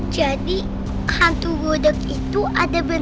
jadi hantu budok itu ada beneran